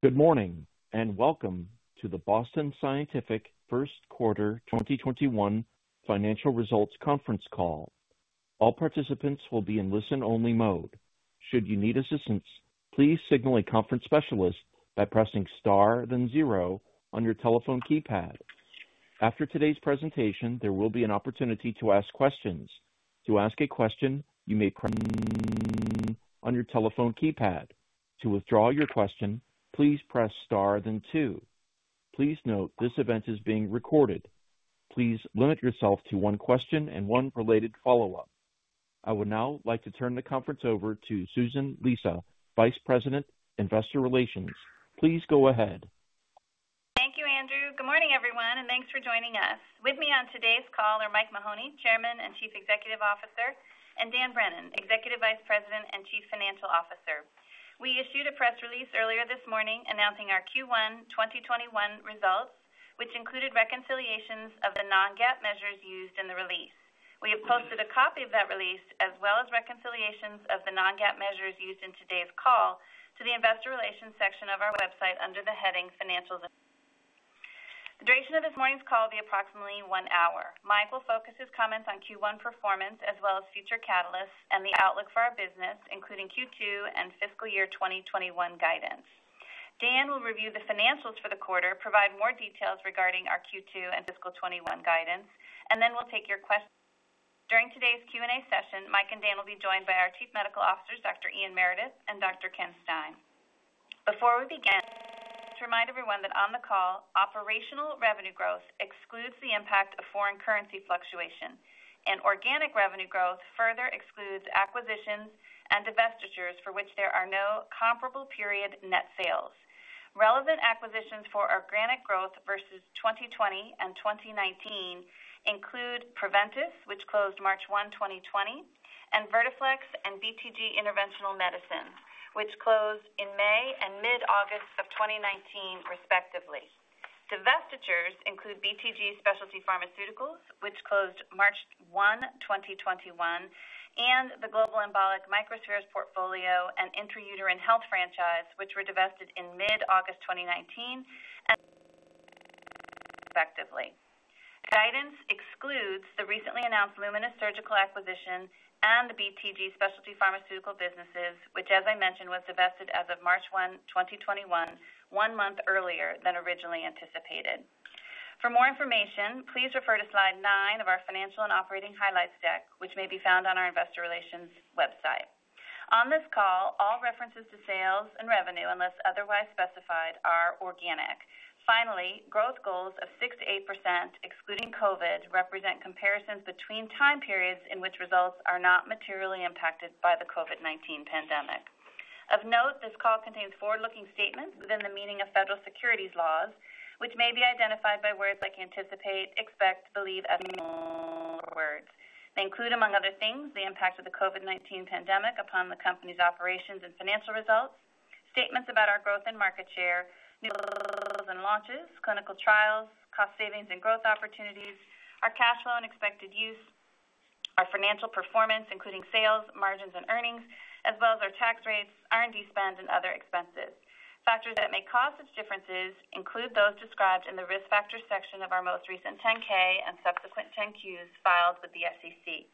Good morning, welcome to the Boston Scientific first quarter 2021 financial results conference call. All participants will be in listen-only mode. Should you need assistance, please signal a conference specialist by pressing star then zero on your telephone keypad. After today's presentation, there will be an opportunity to ask questions. To ask a question, you may press star then one on your telephone keypad. To withdraw your question please press star then two. Please note, this event is being recorded. Please limit yourself to one question and one related follow-up. I would now like to turn the conference over to Susan Lisa, Vice President, Investor Relations. Please go ahead. Thank you, Andrew. Good morning, everyone, and thanks for joining us. With me on today's call are Mike Mahoney, Chairman and Chief Executive Officer, and Dan Brennan, Executive Vice President and Chief Financial Officer. We issued a press release earlier this morning announcing our Q1 2021 results, which included reconciliations of the non-GAAP measures used in the release. We have posted a copy of that release, as well as reconciliations of the non-GAAP measures used in today's call to the investor relations section of our website under the heading financials. The duration of this morning's call will be approximately one hour. Mike will focus his comments on Q1 performance, as well as future catalysts and the outlook for our business, including Q2 and fiscal year 2021 guidance. Dan will review the financials for the quarter, provide more details regarding our Q2 and fiscal 2021 guidance, and then we'll take your questions. During today's Q&A session, Mike and Dan will be joined by our Chief Medical Officers, Dr. Ian Meredith and Dr. Ken Stein. Before we begin, I'd like to remind everyone that on the call, operational revenue growth excludes the impact of foreign currency fluctuation, and organic revenue growth further excludes acquisitions and divestitures for which there are no comparable period net sales. Relevant acquisitions for organic growth versus 2020 and 2019 include Preventice, which closed March 1, 2020, and Vertiflex and BTG Interventional Medicine, which closed in May and mid-August of 2019, respectively. Divestitures include BTG Specialty Pharmaceuticals, which closed March 1, 2021, and the global embolic microspheres portfolio and intra-uterine health franchise, which were divested in mid-August 2019. Guidance excludes the recently announced Lumenis Surgical acquisition and the BTG Specialty Pharmaceutical businesses, which as I mentioned, was divested as of March 1, 2021, one month earlier than originally anticipated. For more information, please refer to slide nine of our financial and operating highlights deck, which may be found on our investor relations website. On this call, all references to sales and revenue, unless otherwise specified, are organic. Growth goals of 6%-8%, excluding COVID, represent comparisons between time periods in which results are not materially impacted by the COVID-19 pandemic. Of note, this call contains forward-looking statements within the meaning of federal securities laws, which may be identified by words like anticipate, expect, believe, and similar words. They include, among other things, the impact of the COVID-19 pandemic upon the company's operations and financial results, statements about our growth and market share, new and launches, clinical trials, cost savings and growth opportunities, our cash flow and expected use, our financial performance, including sales, margins, and earnings, as well as our tax rates, R&D spend, and other expenses. Factors that may cause such differences include those described in the Risk Factors section of our most recent 10-K and subsequent 10-Qs filed with the SEC.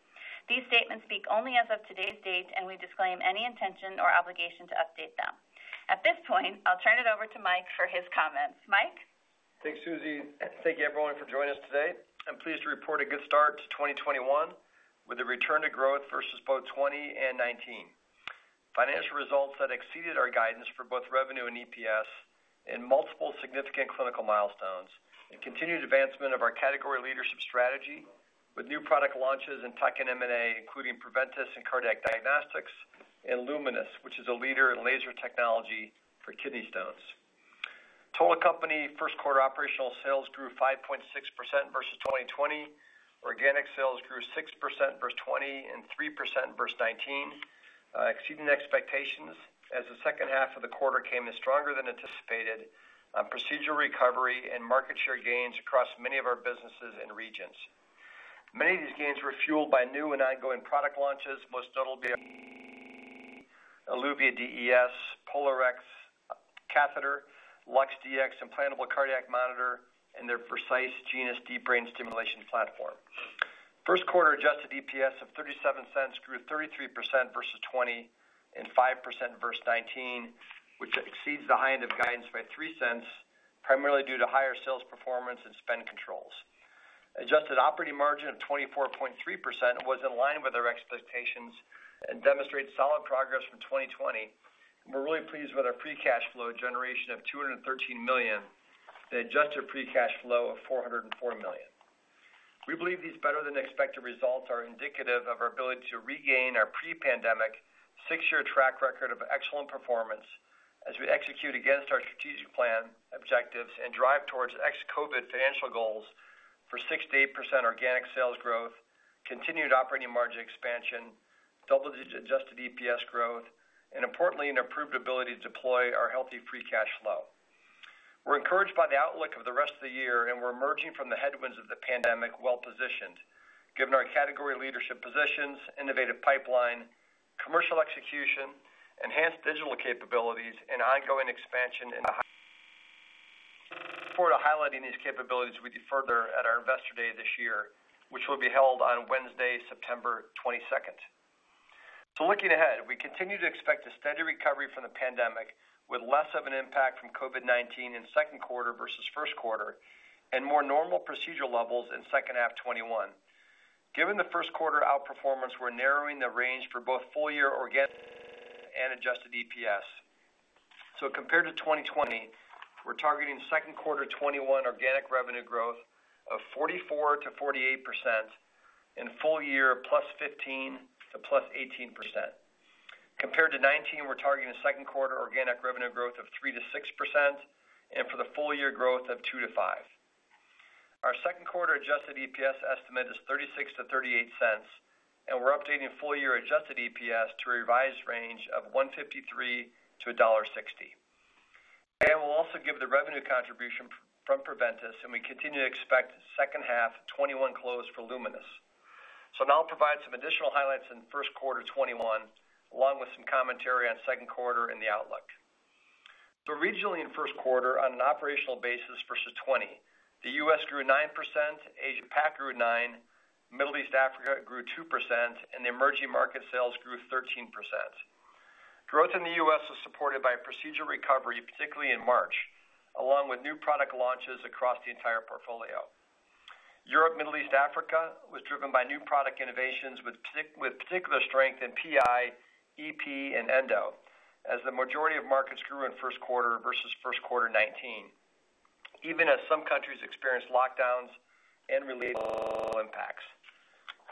These statements speak only as of today's date. We disclaim any intention or obligation to update them. At this point, I'll turn it over to Mike for his comments. Mike? Thanks, Susie. Thank you, everyone, for joining us today. I'm pleased to report a good start to 2021 with a return to growth versus both 2020 and 2019. Financial results that exceeded our guidance for both revenue and EPS in multiple significant clinical milestones and continued advancement of our category leadership strategy with new product launches and tech and M&A, including Preventice and Cardiac Diagnostics and Lumenis, which is a leader in laser technology for kidney stones. Total company first quarter operational sales grew 5.6% versus 2020. Organic sales grew 6% versus 2020 and 3% versus 2019, exceeding expectations as the second half of the quarter came in stronger than anticipated on procedural recovery and market share gains across many of our businesses and regions. Many of these gains were fueled by new and ongoing product launches, most notably Eluvia DES, POLARx catheter, LUX-Dx implantable cardiac monitor, and their Vercise Genus deep brain stimulation platform. First quarter adjusted EPS of $0.37 grew 33% versus 2020 and 5% versus 2019, which exceeds the high end of guidance by $0.03, primarily due to higher sales performance and spend controls. Adjusted operating margin of 24.3% was in line with our expectations and demonstrates solid progress from 2020. We're really pleased with our free cash flow generation of $213 million and adjusted free cash flow of $404 million. We believe these better-than-expected results are indicative of our ability to regain our pre-pandemic six-year track record of excellent performance as we execute against our strategic plan objectives and drive towards ex-COVID financial goals for 6%-8% organic sales growth, continued operating margin expansion, double-digit adjusted EPS growth, and importantly, an improved ability to deploy our healthy free cash flow. We're encouraged by the outlook of the rest of the year, and we're emerging from the headwinds of the pandemic well-positioned given our category leadership positions, innovative pipeline, commercial execution, enhanced digital capabilities, and ongoing expansion into look forward to highlighting these capabilities with you further at our Investor Day this year, which will be held on Wednesday, September 22nd. Looking ahead, we continue to expect a steady recovery from the pandemic with less of an impact from COVID-19 in second quarter versus first quarter and more normal procedural levels in second half 2021. Given the first quarter outperformance, we're narrowing the range for both full year organic and adjusted EPS. Compared to 2020, we're targeting second quarter 2021 organic revenue growth of 44%-48% and full year +15% to +18%. Compared to 2019, we're targeting a second quarter organic revenue growth of 3%-6% and for the full year growth of 2%-5%. Our second quarter adjusted EPS estimate is $0.36-$0.38, and we're updating full year adjusted EPS to a revised range of $1.53-$1.60. We'll also give the revenue contribution from Preventice, and we continue to expect second half 2021 close for Lumenis. Now I'll provide some additional highlights in first quarter 2021 along with some commentary on second quarter and the outlook. Regionally in first quarter on an operational basis versus 2020, the U.S. grew 9%, Asia Pac grew 9%, Middle East Africa grew 2%, and the emerging market sales grew 13%. Growth in the U.S. was supported by procedural recovery, particularly in March, along with new product launches across the entire portfolio. Europe, Middle East Africa was driven by new product innovations with particular strength in PI, EP, and endo as the majority of markets grew in first quarter versus first quarter 2019, even as some countries experienced lockdowns and related impacts.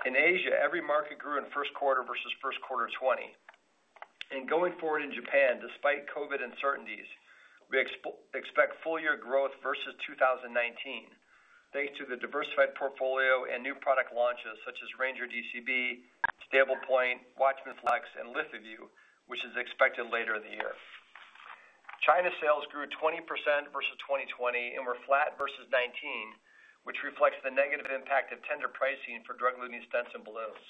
In Asia, every market grew in first quarter versus first quarter 2020. Going forward in Japan, despite COVID uncertainties, we expect full year growth versus 2019 thanks to the diversified portfolio and new product launches such as Ranger DCB, STABLEPOINT, WATCHMAN FLX, and LithoVue, which is expected later in the year. China sales grew 20% versus 2020 and were flat versus 2019, which reflects the negative impact of tender pricing for drug-eluting stents and balloons.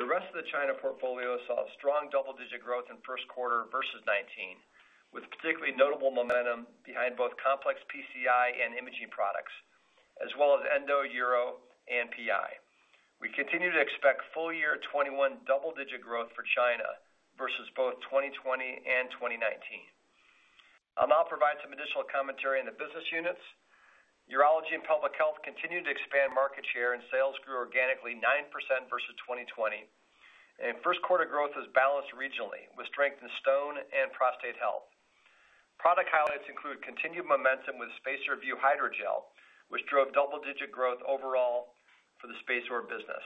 The rest of the China portfolio saw strong double-digit growth in first quarter versus 2019, with particularly notable momentum behind both complex PCI and imaging products as well as endo, uro, and PI. We continue to expect full year 2021 double-digit growth for China versus both 2020 and 2019. I will now provide some additional commentary on the business units. Urology and public health continued to expand market share and sales grew organically 9% versus 2020. First quarter growth was balanced regionally with strength in stone and prostate health. Product highlights include continued momentum with SpaceOAR Vue Hydrogel, which drove double-digit growth overall for the SpaceOAR business.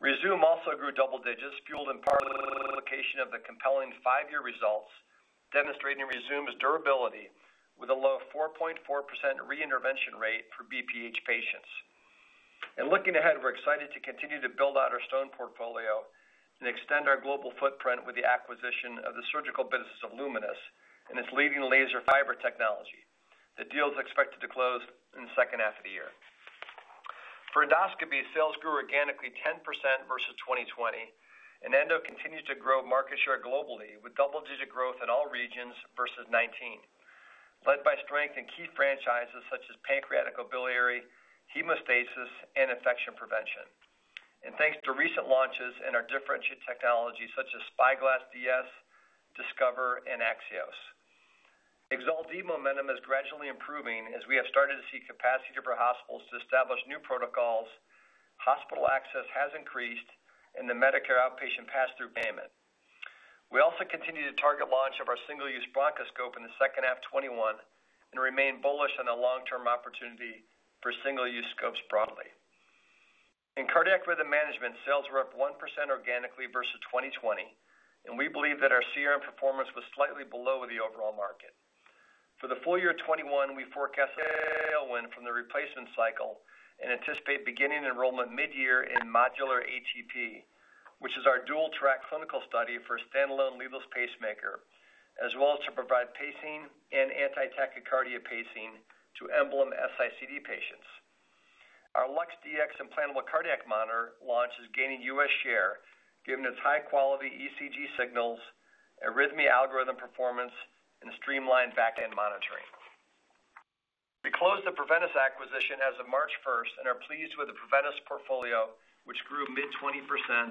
Rezūm also grew double digits, fueled in part by the publication of the compelling five-year results demonstrating Rezūm's durability with a low 4.4% reintervention rate for BPH patients. Looking ahead, we're excited to continue to build out our stone portfolio and extend our global footprint with the acquisition of the surgical business of Lumenis and its leading laser fiber technology. The deal is expected to close in the second half of the year. For endoscopy, sales grew organically 10% versus 2020 and endo continued to grow market share globally with double-digit growth in all regions versus 2019, led by strength in key franchises such as pancreaticobiliary, hemostasis, and infection prevention. Thanks to recent launches and our differentiated technology such as SpyGlass DS, Discover, and AXIOS. EXALT D momentum is gradually improving as we have started to see capacity for hospitals to establish new protocols, hospital access has increased and the Medicare outpatient pass-through payment. We also continue to target launch of our single-use bronchoscope in the second half 2021 and remain bullish on the long-term opportunity for single-use scopes broadly. In cardiac rhythm management, sales were up 1% organically versus 2020, and we believe that our CRM performance was slightly below the overall market. For the full year 2021, we forecast tailwind from the replacement cycle and anticipate beginning enrollment mid-year in MODULAR ATP, which is our dual-track clinical study for a stand-alone leadless pacemaker, as well as to provide pacing and anti-tachycardia pacing to EMBLEM S-ICD patients. Our LUX-Dx Implantable Cardiac Monitor launch is gaining U.S. share given its high-quality ECG signals, arrhythmia algorithm performance, and streamlined back-end monitoring. We closed the Preventice acquisition as of March 1st and are pleased with the Preventice portfolio, which grew mid 20%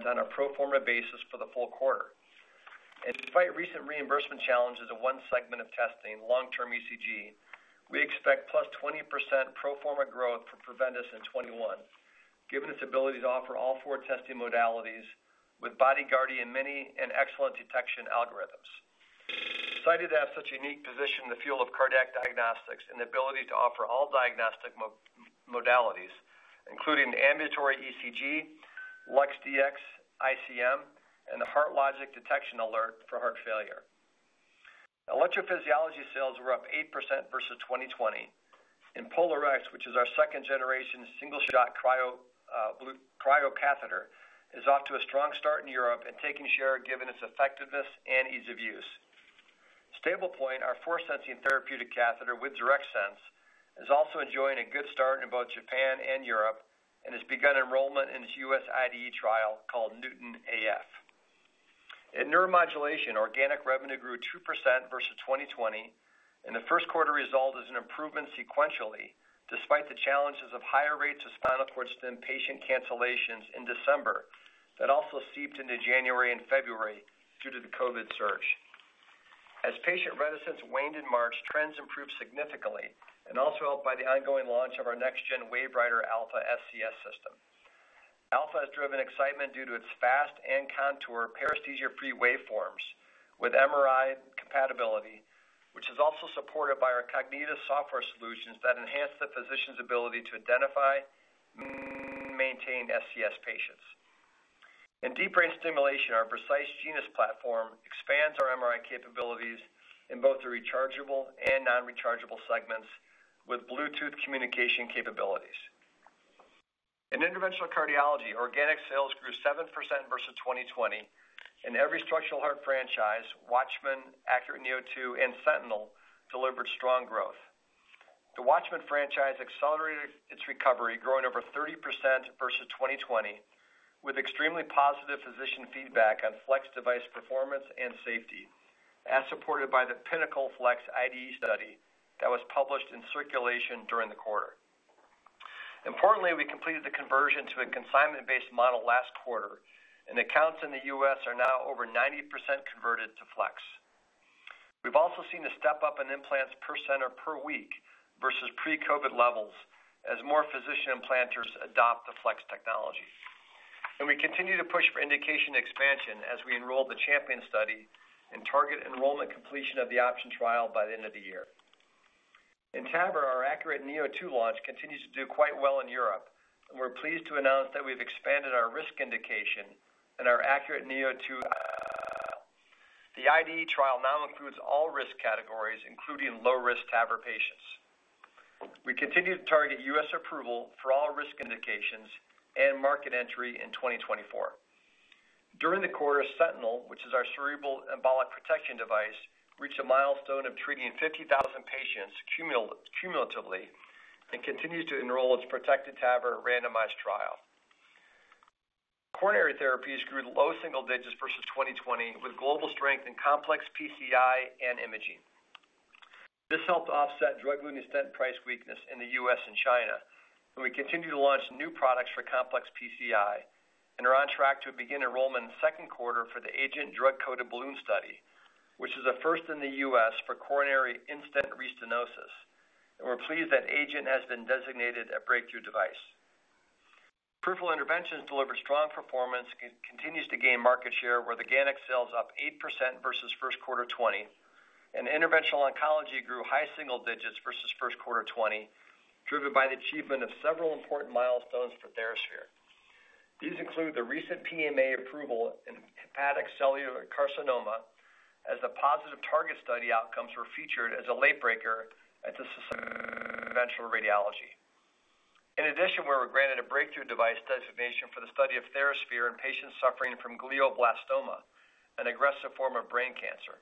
on a pro forma basis for the full quarter. Despite recent reimbursement challenges of one segment of testing, long-term ECG, we expect plus 20% pro forma growth for Preventice in 2021 given its ability to offer all four testing modalities with BodyGuardian MINI and excellent detection algorithms. We're excited to have such a unique position in the field of cardiac diagnostics and the ability to offer all diagnostic modalities, including ambulatory ECG, LUX-Dx ICM, and the HeartLogic detection alert for heart failure. Electrophysiology sales were up 8% versus 2020. In POLARx, which is our second-generation single-shot cryo catheter, is off to a strong start in Europe and taking share given its effectiveness and ease of use. STABLEPOINT, our force sensing therapeutic catheter with DIRECTSENSE, is also enjoying a good start in both Japan and Europe, and has begun enrollment in its U.S. IDE trial called NEwTON AF. In neuromodulation, organic revenue grew 2% versus 2020. The first quarter result is an improvement sequentially, despite the challenges of higher rates of spinal cord stim patient cancellations in December that also seeped into January and February due to the COVID-19 surge. As patient reticence waned in March, trends improved significantly and also helped by the ongoing launch of our next-gen WaveWriter Alpha SCS system. Alpha has driven excitement due to its fast and contour paresthesia-free waveforms with MRI compatibility, which is also supported by our Cognita software solutions that enhance the physician's ability to identify, maintain SCS patients. In deep brain stimulation, our Vercise Genus platform expands our MRI capabilities in both the rechargeable and non-rechargeable segments with Bluetooth communication capabilities. In interventional cardiology, organic sales grew 7% versus 2020, every structural heart franchise, WATCHMAN, ACURATE neo2, and SENTINEL delivered strong growth. The WATCHMAN franchise accelerated its recovery, growing over 30% versus 2020, with extremely positive physician feedback on FLX device performance and safety, as supported by the PINNACLE FLX IDE study that was published in Circulation during the quarter. Importantly, we completed the conversion to a consignment-based model last quarter, and accounts in the U.S. are now over 90% converted to FLX. We've also seen a step up in implants per center per week versus pre-COVID levels as more physician implanters adopt the FLX technology. We continue to push for indication expansion as we enroll the CHAMPION study and target enrollment completion of the OPTION trial by the end of the year. In TAVR, our ACURATE neo2 launch continues to do quite well in Europe. We're pleased to announce that we've expanded our risk indication and our ACURATE neo2. The IDE trial now includes all risk categories, including low risk TAVR patients. We continue to target U.S. approval for all risk indications and market entry in 2024. During the quarter, SENTINEL, which is our cerebral embolic protection device, reached a milestone of treating 50,000 patients cumulatively and continues to enroll Protected TAVR randomized trial. Coronary therapies grew low single digits versus 2020 with global strength in complex PCI and imaging. This helped offset drug-eluting stent price weakness in the U.S. and China. We continue to launch new products for complex PCI and are on track to begin enrollment in the second quarter for the AGENT Drug-Coated Balloon study, which is a first in the U.S. for coronary in-stent restenosis. We're pleased that AGENT has been designated a breakthrough device. Peripheral interventions delivered strong performance, continues to gain market share, with organic sales up 8% versus first quarter 2020, and interventional oncology grew high single digits versus first quarter 2020, driven by the achievement of several important milestones for TheraSphere. These include the recent PMA approval in hepatocellular carcinoma, as the positive TARGET study outcomes were featured as a late breaker at the Society of Interventional Radiology. In addition, we were granted a breakthrough device designation for the study of TheraSphere in patients suffering from glioblastoma, an aggressive form of brain cancer.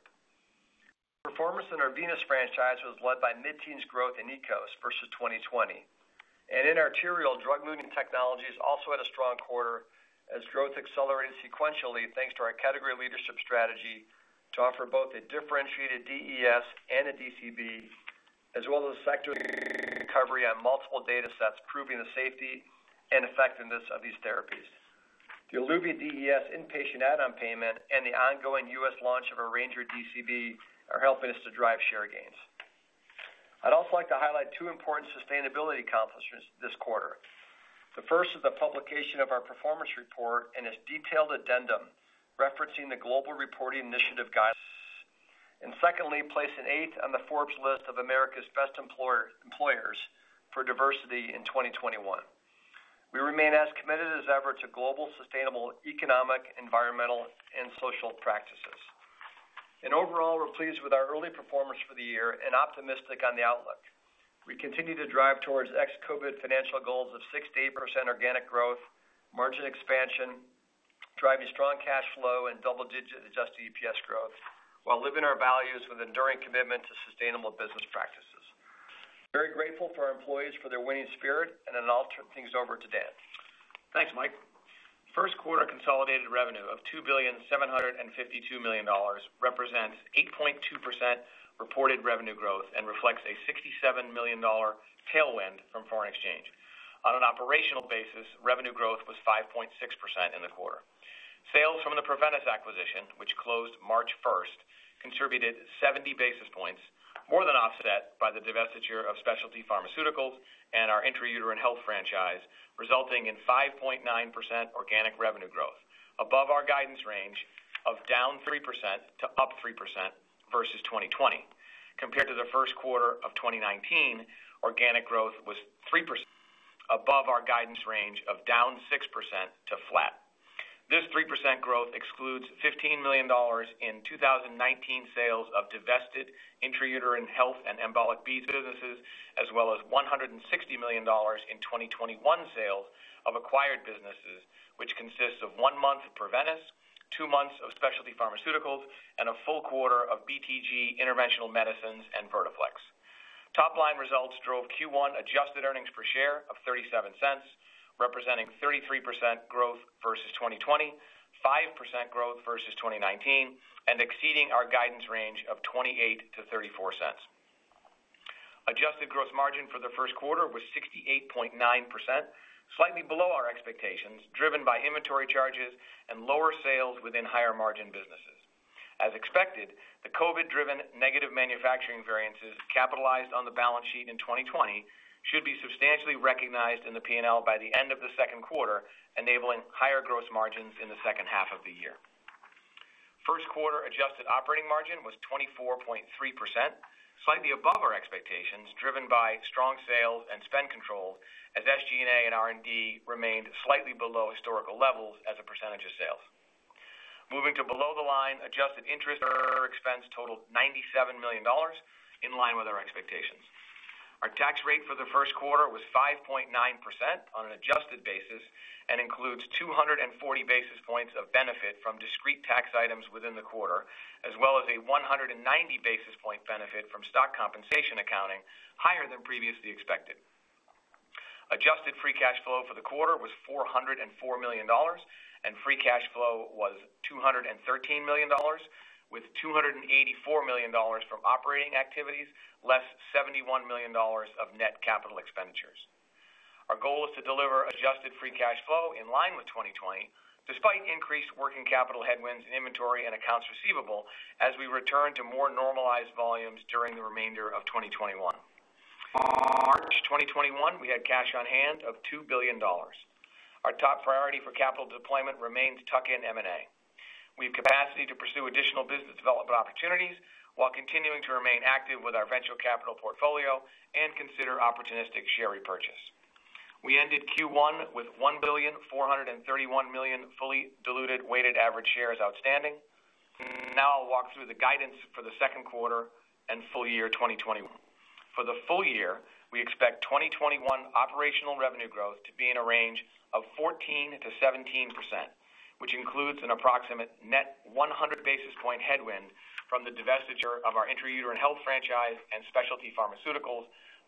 Performance in our venous franchise was led by mid-teens growth in EKOS versus 2020. In arterial, drug-eluting technologies also had a strong quarter as growth accelerated sequentially, thanks to our category leadership strategy to offer both a differentiated DES and a DCB, as well as a sector recovery on multiple data sets proving the safety and effectiveness of these therapies. The Eluvia DES in-patient add-on payment and the ongoing U.S. launch of our Ranger DCB are helping us to drive share gains. I'd also like to highlight two important sustainability accomplishments this quarter. The first is the publication of our performance report and its detailed addendum referencing the Global Reporting Initiative guidelines. Secondly, placing eighth on the Forbes list of America's Best Employers for Diversity in 2021. We remain as committed as ever to global sustainable economic, environmental, and social practices. Overall, we're pleased with our early performance for the year and optimistic on the outlook. We continue to drive towards ex-COVID financial goals of 6%-8% organic growth, margin expansion, driving strong cash flow, and double-digit adjusted EPS growth while living our values with enduring commitment to sustainable business practices. Very grateful for our employees for their winning spirit, I'll turn things over to Dan. Thanks, Mike. First quarter consolidated revenue of $2.752 billion represents 8.2% reported revenue growth and reflects a $67 million tailwind from foreign exchange. On an operational basis, revenue growth was 5.6% in the quarter. Sales from the Preventice acquisition, which closed March 1st, contributed 70 basis points, more than offset by the divestiture of Specialty Pharmaceuticals and our intra-uterine health franchise, resulting in 5.9% organic revenue growth, above our guidance range of down 3% to up 3% versus 2020. Compared to the first quarter of 2019, organic growth guidance range of down 6% to flat. This 3% growth excludes $15 million in 2019 sales of divested intrauterine health and embolic beads businesses, as well as $160 million in 2021 sales of acquired businesses, which consists of one month of Preventice, two months of Specialty Pharmaceuticals, a full quarter of BTG Interventional Medicine and Vertiflex. Top-line results drove Q1 adjusted earnings per share of $0.37, representing 33% growth versus 2020, 5% growth versus 2019, and exceeding our guidance range of $0.28-$0.34. Adjusted gross margin for the first quarter was 68.9%, slightly below our expectations, driven by inventory charges and lower sales within higher-margin businesses. As expected, the COVID-driven negative manufacturing variances capitalized on the balance sheet in 2020 should be substantially recognized in the P&L by the end of the second quarter, enabling higher gross margins in the second half of the year. First quarter adjusted operating margin was 24.3%, slightly above our expectations, driven by strong sales and spend controls as SG&A and R&D remained slightly below historical levels as a percentage of sales. Moving to below the line, adjusted interest expense totaled $97 million, in line with our expectations. Our tax rate for the first quarter was 5.9% on an adjusted basis and includes 240 basis points of benefit from discrete tax items within the quarter, as well as a 190 basis point benefit from stock compensation accounting, higher than previously expected. Adjusted free cash flow for the quarter was $404 million, and free cash flow was $213 million, with $284 million from operating activities, less $71 million of net capital expenditures. Our goal is to deliver adjusted free cash flow in line with 2020, despite increased working capital headwinds in inventory and accounts receivable as we return to more normalized volumes during the remainder of 2021. As of March 2021, we had cash on hand of $2 billion. Our top priority for capital deployment remains tuck-in M&A. We have capacity to pursue additional business development opportunities while continuing to remain active with our venture capital portfolio and consider opportunistic share repurchase. We ended Q1 with 1,431,000,000 fully diluted weighted average shares outstanding. I'll walk through the guidance for the second quarter and full year 2021. For the full year, we expect 2021 operational revenue growth to be in a range of 14%-17%, which includes an approximate net 100 basis point headwind from the divestiture of our Intrauterine Health franchise and Specialty Pharmaceuticals,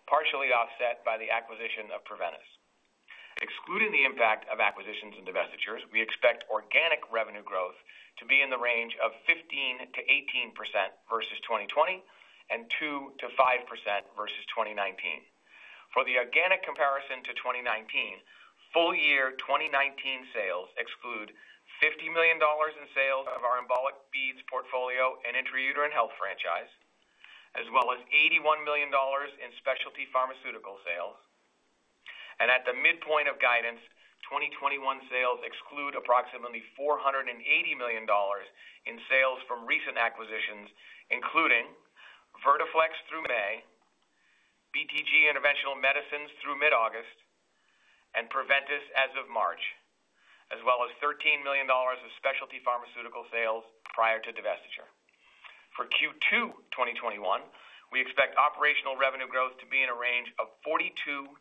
partially offset by the acquisition of Preventice. Excluding the impact of acquisitions and divestitures, we expect organic revenue growth to be in the range of 15%-18% versus 2020 and 2%-5% versus 2019. For the organic comparison to 2019, full year 2019 sales exclude $50 million in sales of our embolic beads portfolio and Intrauterine Health franchise, as well as $81 million in Specialty Pharmaceuticals sales. At the midpoint of guidance, 2021 sales exclude approximately $480 million in sales from recent acquisitions, including Vertiflex through May, BTG Interventional Medicine through mid-August, and Preventice as of March, as well as $13 million of Specialty Pharmaceuticals sales prior to divestiture. For Q2 2021, we expect operational revenue growth to be in a range of 42%-46%,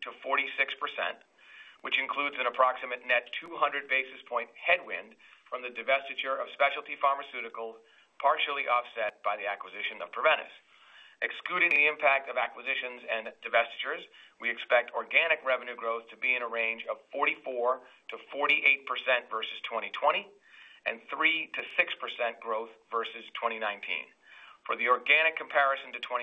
which includes an approximate net 200 basis point headwind from the divestiture of Specialty Pharmaceuticals, partially offset by the acquisition of Preventice. Excluding the impact of acquisitions and divestitures, we expect organic revenue growth to be in a range of 44%-48% versus 2020 and 3%-6% growth versus 2019. For the organic comparison to 2019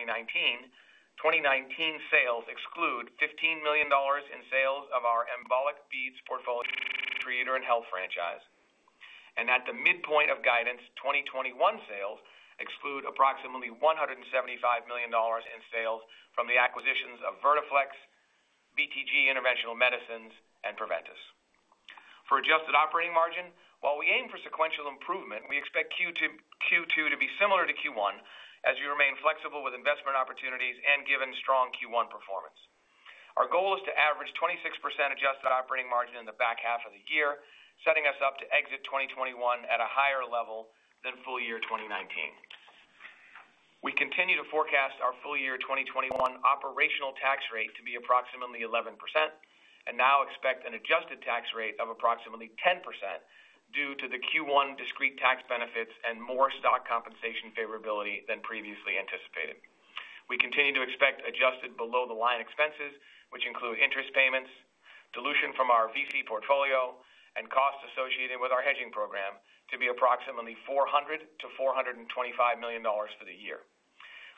sales exclude $15 million in sales of our embolic beads portfolio and Intrauterine Health franchise. At the midpoint of guidance, 2021 sales exclude approximately $175 million in sales from the acquisitions of Vertiflex, BTG Interventional Medicine, and Preventice. For adjusted operating margin, while we aim for sequential improvement, we expect Q2 to be similar to Q1 as we remain flexible with investment opportunities and given strong Q1 performance. Our goal to average 26% adjusted operating margin in the back half of the year, setting us up to exit 2021 at a higher level than full year 2019. We continue to forecast our full year 2021 operational tax rate to be approximately 11% and now expect an adjusted tax rate of approximately 10% due to the Q1 discrete tax benefits and more stock compensation favorability than previously anticipated. We continue to expect adjusted below-the-line expenses, which include interest payments, dilution from our VC portfolio, and costs associated with our hedging program to be approximately $400 million-$425 million for the year.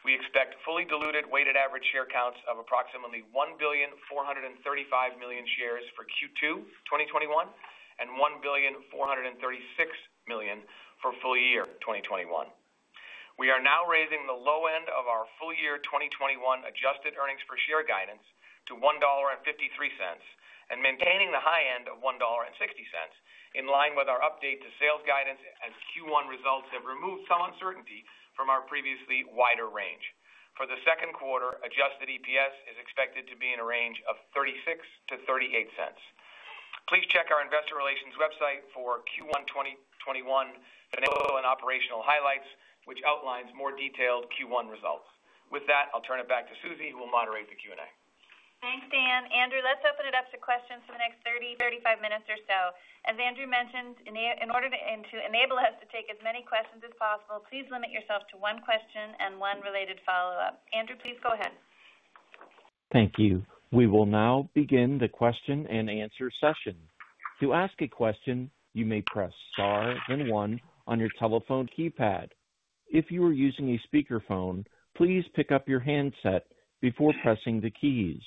We expect fully diluted weighted average share counts of approximately 1,435,000,000 shares for Q2 2021 and 1,436,000,000 for full year 2021. We are now raising the low end of our full year 2021 adjusted earnings per share guidance to $1.53 and maintaining the high end of $1.60, in line with our update to sales guidance as Q1 results have removed some uncertainty from our previously wider range. For the second quarter, adjusted EPS is expected to be in a range of $0.36-$0.38. Please check our investor relations website for Q1 2021 financial and operational highlights, which outlines more detailed Q1 results. With that, I'll turn it back to Susie, who will moderate the Q&A. Thanks, Dan. Andrew, let's open it up to questions for the next 30-minutes, 35-minutes or so. As Andrew mentioned, in order to enable us to take as many questions as possible, please limit yourself to one question and one related follow-up. Andrew, please go ahead. Thank you. We will now begin the question-and-answer session. To ask a question, you may press star then one on your telephone keypad. If you are using a speaker phone, please pick up your handset before pressing the keys.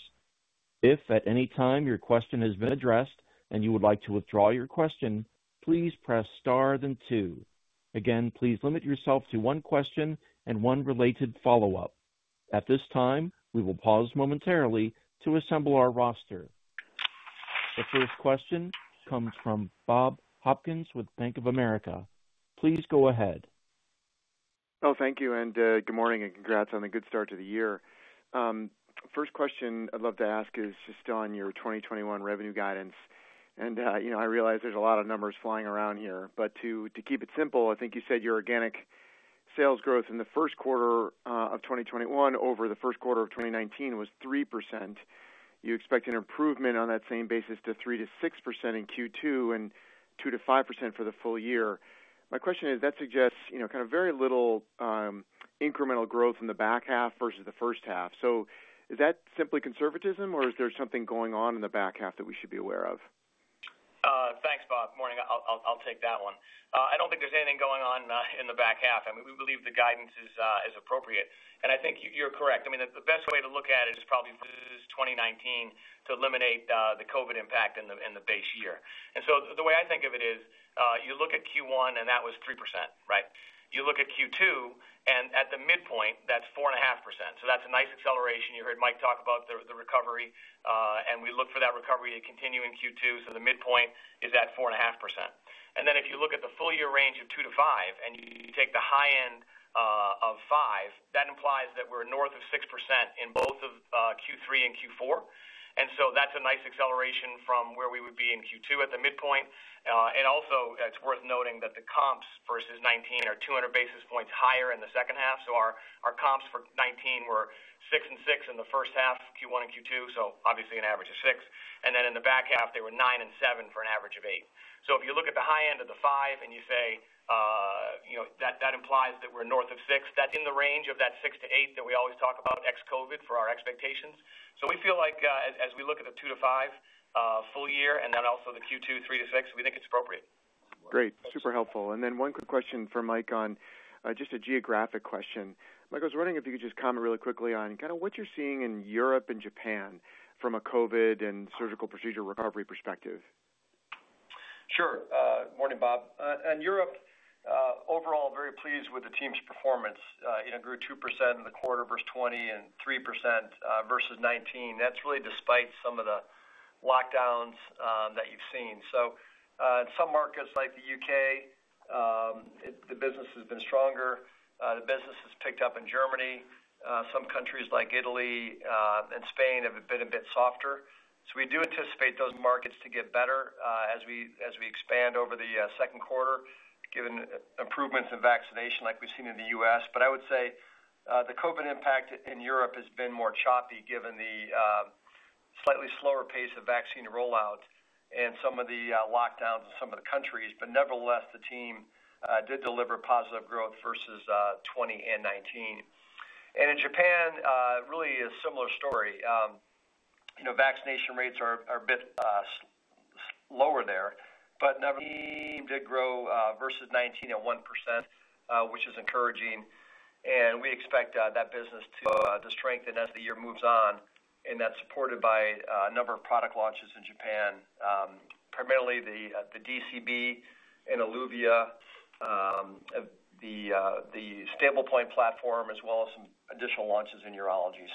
If anytime your question has been addressed and you would like to withdraw your question, please press star then two. Again, please limit yourself to one question and one related follow up. At this time, we will pause momentarily to assemble our roster. The first question comes from Bob Hopkins with Bank of America. Please go ahead. Thank you, and good morning, and congrats on a good start to the year. First question I'd love to ask is just on your 2021 revenue guidance. I realize there's a lot of numbers flying around here, but to keep it simple. I think you said your organic sales growth in the first quarter of 2021 over the first quarter of 2019 was 3%. You expect an improvement on that same basis to 3%-6% in Q2 and 2%-5% for the full year. My question is, that suggests kind of very little incremental growth in the back half versus the first half. Is that simply conservatism or is there something going on in the back half that we should be aware of? Thanks, Bob. Morning. I'll take that one. I don't think there's anything going on in the back half. I think you're correct. The best way to look at it is probably versus 2019 to eliminate the COVID impact in the base year. The way I think of it is you look at Q1 and that was 3%, right? You look at Q2 and at the midpoint, that's 4.5%. That's a nice acceleration. You heard Mike talk about the recovery. We look for that recovery to continue in Q2. The midpoint is at 4.5%. If you look at the full year range of 2%-5%, and you take the high end of 5%, that implies that we're north of 6% in both of Q3 and Q4. That's a nice acceleration from where we would be in Q2 at the midpoint. Also, it's worth noting that the comps versus 2019 are 200 basis points higher in the second half. Our comps for 2019 were 6% and 6% in the first half, Q1 and Q2, so obviously an average of 6%. Then in the back half they were 9% and 7% for an average of 8%. If you look at the high end of the 5% and you say that implies that we're north of 6%, that's in the range of that 6%-8% that we always talk about ex-COVID for our expectations. We feel like as we look at the 2%-5% full year and then also the Q2 3%-6%, we think it's appropriate. Great. Super helpful. Then one quick question for Mike on just a geographic question. Mike, I was wondering if you could just comment really quickly on kind of what you're seeing in Europe and Japan from a COVID and surgical procedure recovery perspective. Sure. Morning, Bob. In Europe, overall very pleased with the team's performance. It grew 2% in the quarter versus 2020 and 3% versus 2019. That's really despite some of the lockdowns that you've seen. In some markets like the U.K., the business has been stronger. The business has picked up in Germany. Some countries like Italy and Spain have been a bit softer. We do anticipate those markets to get better as we expand over the second quarter given improvements in vaccination like we've seen in the U.S. I would say the COVID impact in Europe has been more choppy given the slightly slower pace of vaccine rollout and some of the lockdowns in some of the countries. Nevertheless, the team did deliver positive growth versus 2020 and 2019. In Japan, really a similar story. Vaccination rates are a bit lower there, nevertheless the team did grow versus 2019 at 1%, which is encouraging. We expect that business to strengthen as the year moves on. That's supported by a number of product launches in Japan, primarily the DCB and Eluvia, the STABLEPOINT platform, as well as some additional launches in urology.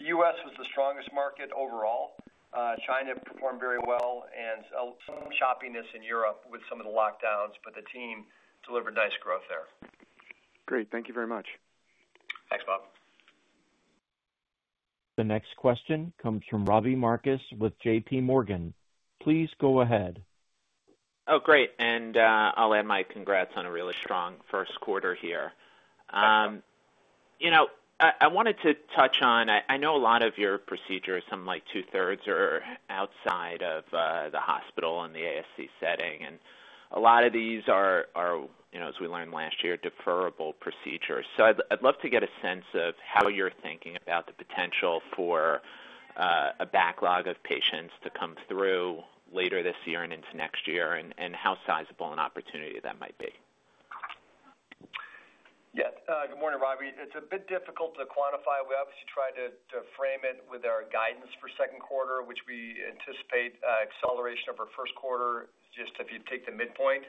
The U.S. was the strongest market overall. China performed very well and some choppiness in Europe with some of the lockdowns, but the team delivered nice growth there. Great. Thank you very much. Thanks, Bob. The next question comes from Robbie Marcus with JPMorgan. Please go ahead. Oh, great, I'll add my congrats on a really strong first quarter here. I wanted to touch on, I know a lot of your procedures, something like two-thirds are outside of the hospital in the ASC setting, and a lot of these are, as we learned last year, deferrable procedures. I'd love to get a sense of how you're thinking about the potential for a backlog of patients to come through later this year and into next year and how sizable an opportunity that might be. Yes. Good morning, Robbie. It's a bit difficult to quantify. We obviously try to frame it with our guidance for second quarter, which we anticipate acceleration over first quarter, just if you take the midpoint.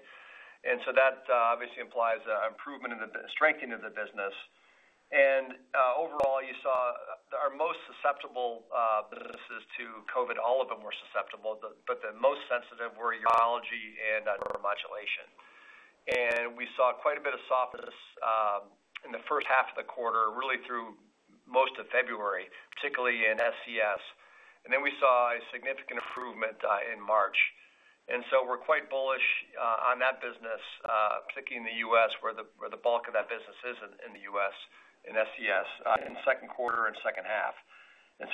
That obviously implies strengthening of the business. Overall you saw our most susceptible businesses to COVID-19, all of them were susceptible, but the most sensitive were urology and neuromodulation. We saw quite a bit of softness in the first half of the quarter, really through most of February, particularly in SCS. We saw a significant improvement in March. We're quite bullish on that business, particularly in the U.S., where the bulk of that business is in the U.S., in SCS, in the second quarter and second half.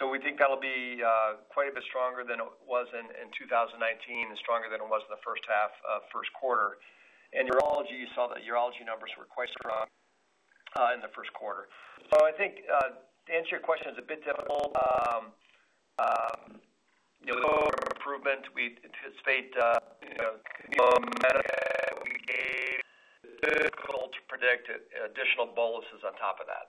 We think that'll be quite a bit stronger than it was in 2019 and stronger than it was in the first half, first quarter. In urology, you saw the urology numbers were quite strong in the first quarter. I think to answer your question, it's a bit difficult. The lower improvement we anticipate to predict additional boluses on top of that.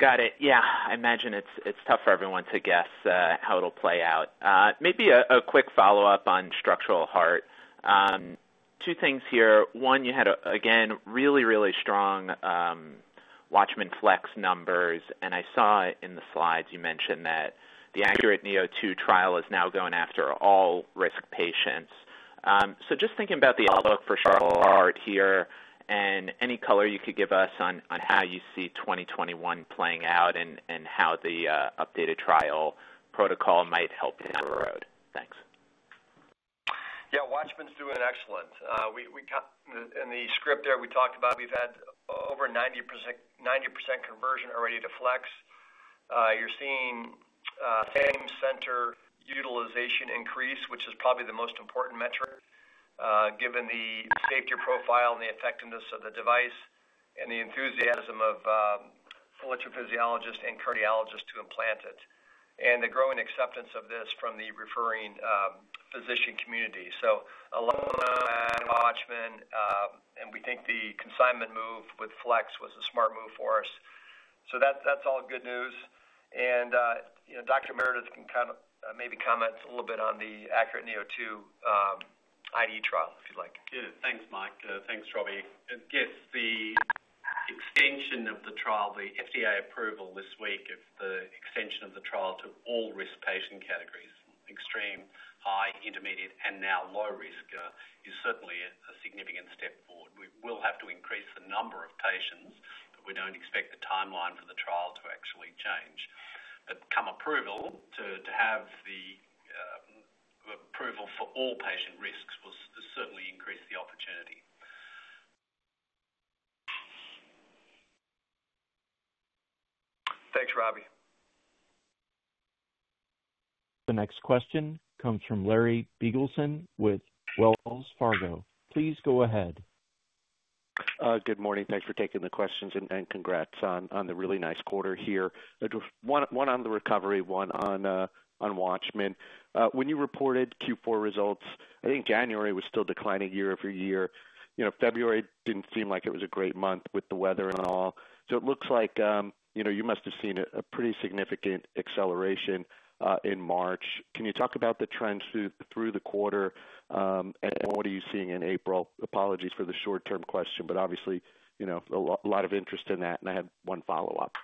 Got it. Yeah. I imagine it's tough for everyone to guess how it'll play out. Maybe a quick follow-up on structural heart. Two things here. One, you had, again, really, really strong WATCHMAN FLX numbers, and I saw in the slides you mentioned that the ACURATE neo2 trial is now going after all-risk patients. Just thinking about the outlook for structural heart here and any color you could give us on how you see 2021 playing out and how the updated trial protocol might help down the road. Thanks. Yeah, WATCHMAN's doing excellent. In the script there we talked about, we've had over 90% conversion already to FLX. You're seeing same-center utilization increase, which is probably the most important metric, given the safety profile and the effectiveness of the device and the enthusiasm of electrophysiologists and cardiologists who implant it, and the growing acceptance of this from the referring physician community. A WATCHMAN, and we think the consignment move with FLX was a smart move for us. That's all good news. Dr. Meredith can maybe comment a little bit on the ACURATE neo2 IDE trial if you'd like. Yeah. Thanks, Mike. Thanks, Robbie. I guess the extension of the trial, the FDA approval this week of the extension of the trial to all risk patient categories, extreme, high, intermediate, and now low risk, is certainly a significant step forward. We will have to increase the number of patients, we don't expect the timeline for the trial to actually change. Come approval, to have the approval for all patient risks will certainly increase the opportunity. Thanks, Robbie. The next question comes from Larry Biegelsen with Wells Fargo. Please go ahead. Good morning. Thanks for taking the questions and congrats on the really nice quarter here. One on the recovery, one on WATCHMAN. When you reported Q4 results, I think January was still declining year-over-year. February didn't seem like it was a great month with the weather and all. It looks like you must have seen a pretty significant acceleration in March. Can you talk about the trends through the quarter, and what are you seeing in April? Apologies for the short-term question, obviously, a lot of interest in that. I have one follow-up.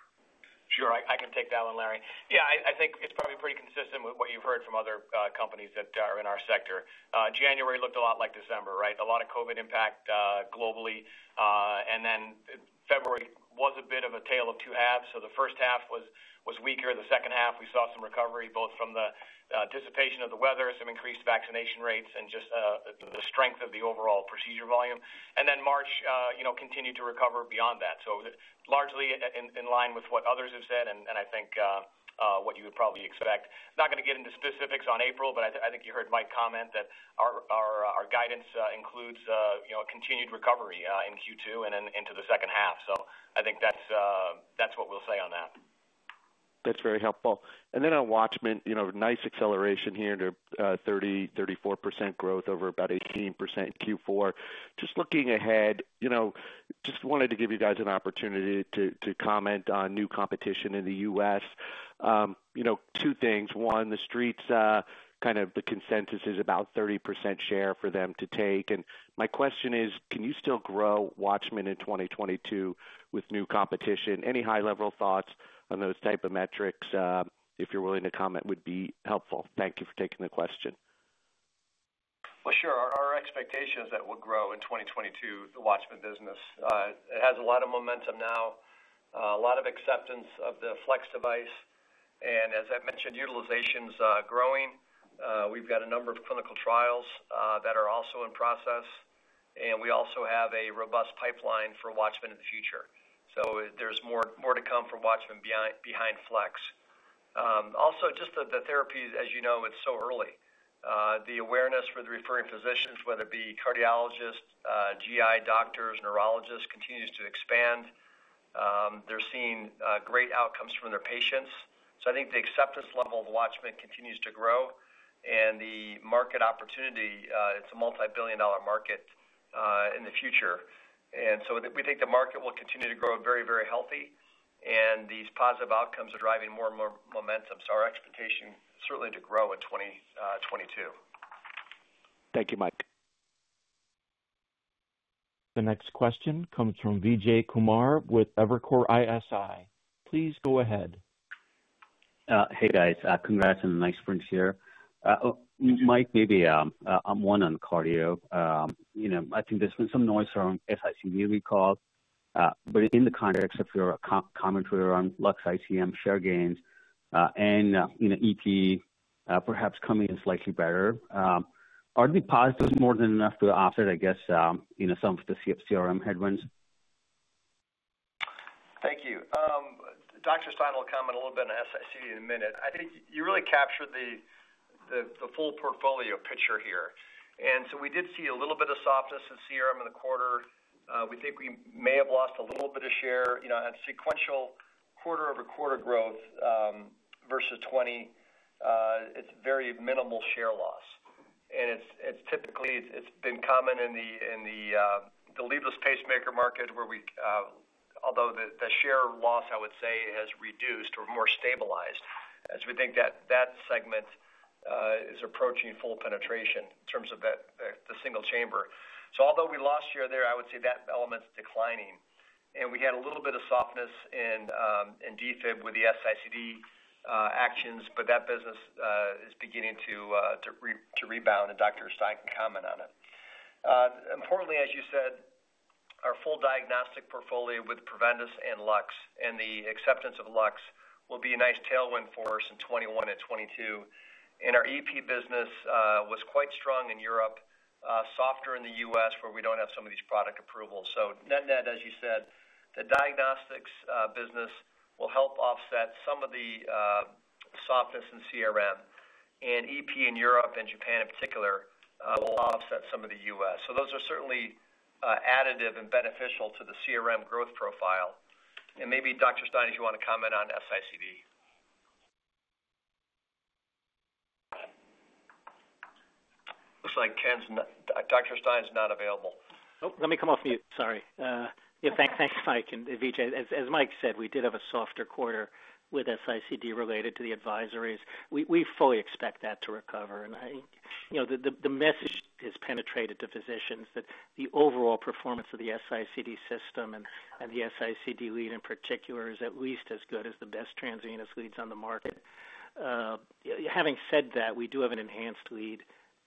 Sure. I can take that one, Larry. I think it's probably pretty consistent with what you've heard from other companies that are in our sector. January looked a lot like December. A lot of COVID-19 impact globally. February was a bit of a tale of two halves. The first half was weaker. The second half, we saw some recovery, both from the dissipation of the weather, some increased vaccination rates, and just the strength of the overall procedure volume. March continued to recover beyond that. Largely in line with what others have said, and I think what you would probably expect. Not going to get into specifics on April, but I think you heard Mike comment that our guidance includes a continued recovery in Q2 and into the second half. I think that's what we'll say on that. That's very helpful. On WATCHMAN, nice acceleration here to 30%-34% growth over about 18% in Q4. Just looking ahead, just wanted to give you guys an opportunity to comment on new competition in the U.S. Two things. One, the street's, kind of the consensus is about 30% share for them to take. My question is, can you still grow WATCHMAN in 2022 with new competition? Any high-level thoughts on those type of metrics, if you're willing to comment, would be helpful. Thank you for taking the question. Well, sure. Our expectation is that we'll grow in 2022, the WATCHMAN business. It has a lot of momentum now, a lot of acceptance of the FLX device. As I've mentioned, utilization's growing. We've got a number of clinical trials that are also in process, and we also have a robust pipeline for WATCHMAN in the future. There's more to come from WATCHMAN behind FLX. Just the therapy, as you know, it's so early. The awareness for the referring physicians, whether it be cardiologists, GI doctors, neurologists, continues to expand. They're seeing great outcomes from their patients. I think the acceptance level of WATCHMAN continues to grow and the market opportunity, it's a multibillion-dollar market in the future. We think the market will continue to grow very, very healthy. These positive outcomes are driving more and more momentum. Our expectation certainly to grow in 2022. Thank you, Mike. The next question comes from Vijay Kumar with Evercore ISI. Please go ahead. Hey, guys. Congrats on a nice quarter here. Mike, maybe one on cardio. In the context of your commentary around LUX-Dx ICM share gains and EP perhaps coming in slightly better, are the positives more than enough to offset, I guess, some of the CRM headwinds? Thank you. Dr. Stein will comment a little bit on S-ICD in a minute. I think you really captured the full portfolio picture here. We did see a little bit of softness in CRM in the quarter. We think we may have lost a little bit of share on sequential quarter-over-quarter growth versus 2020. It's very minimal share loss. It's typically been common in the leadless pacemaker market, although the share loss, I would say, has reduced or more stabilized, as we think that segment is approaching full penetration in terms of the single chamber. Although we lost share there, I would say that element's declining. We had a little bit of softness in defib with the S-ICD actions, that business is beginning to rebound, Dr. Stein can comment on it. Importantly, as you said, our full diagnostic portfolio with Preventice and LUX, and the acceptance of LUX will be a nice tailwind for us in 2021 and 2022. Our EP business was quite strong in Europe, softer in the U.S., where we don't have some of these product approvals. Net net, as you said, the diagnostics business will help offset some of the softness in CRM, and EP in Europe and Japan in particular will offset some of the U.S. Those are certainly additive and beneficial to the CRM growth profile. Maybe Dr. Stein, if you want to comment on S-ICD. Looks like Dr. Stein's not available. Let me come off mute. Sorry. Thanks, Mike and Vijay. As Mike said, we did have a softer quarter with S-ICD related to the advisories. We fully expect that to recover. The message has penetrated to physicians that the overall performance of the S-ICD system and the S-ICD lead in particular is at least as good as the best transvenous leads on the market. Having said that, we do have an enhanced lead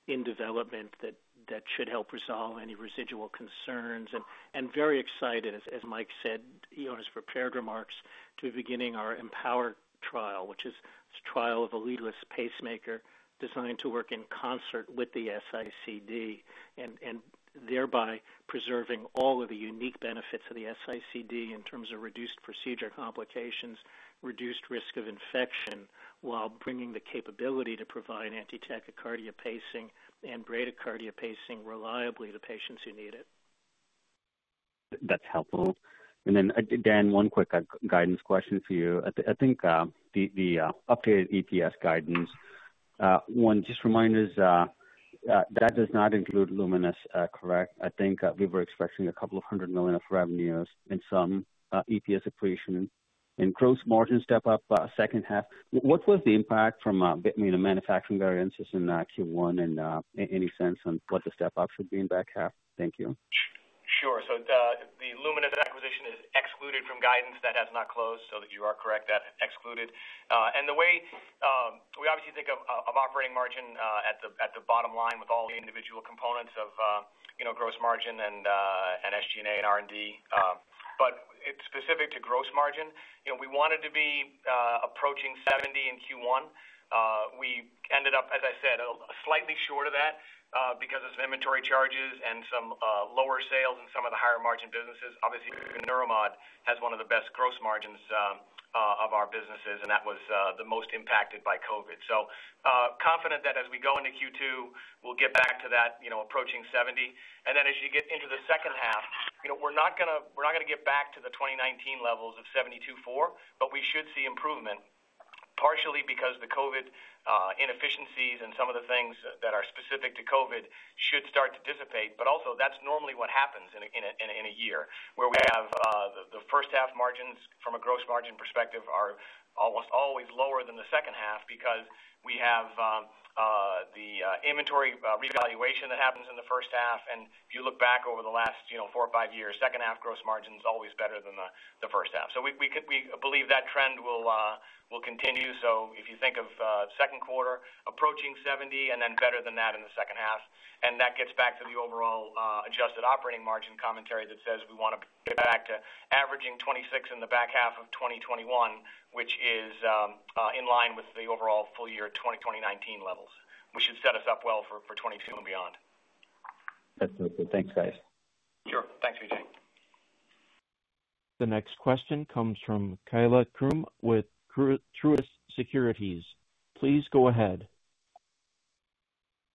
in development that should help resolve any residual concerns. Very excited, as Mike said in his prepared remarks, to beginning our EMPOWER trial, which is a trial of a leadless pacemaker designed to work in concert with the S-ICD, and thereby preserving all of the unique benefits of the S-ICD in terms of reduced procedure complications, reduced risk of infection, while bringing the capability to provide anti-tachycardia pacing and bradycardia pacing reliably to patients who need it. That's helpful. Then Dan, one quick guidance question for you. I think the updated EPS guidance, one, just remind us, that does not include Lumenis, correct? I think we were expecting $200 million of revenues and some EPS accretion and gross margin step-up second half. What was the impact from manufacturing variances in Q1, Any sense on what the step-up should be in the back half? Thank you. Sure. The Lumenis acquisition is excluded from guidance. That has not closed, you are correct, that's excluded. The way we obviously think of operating margin at the bottom line with all the individual components of gross margin and SG&A and R&D, but specific to gross margin, we wanted to be approaching 70% in Q1. We ended up, as I said, slightly short of that because of some inventory charges and some lower sales in some of the higher margin businesses. Obviously, neuromod has one of the best gross margins of our businesses, and that was the most impacted by COVID-19. Confident that as we go into Q2, we'll get back to that, approaching 70%. As you get into the second half, we're not going to get back to the 2019 levels of 72.4%, but we should see improvement, partially because the COVID inefficiencies and some of the things that are specific to COVID should start to dissipate. Also, that's normally what happens in a year, where we have the first half margins from a gross margin perspective are almost always lower than the second half because we have the inventory revaluation that happens in the first half, and if you look back over the last four or five years, second half gross margin's always better than the first half. We believe that trend will continue. If you think of second quarter approaching 70% and then better than that in the second half, and that gets back to the overall adjusted operating margin commentary that says we want to get back to averaging 26% in the back half of 2021, which is in line with the overall full year 2019 levels, which should set us up well for 2022 and beyond. That's very good. Thanks, guys. Sure. Thanks, Vijay. The next question comes from Kaila Krum with Truist Securities. Please go ahead.